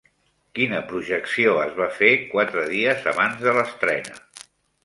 Quina projecció es va fer quatre dies abans de l'estrena?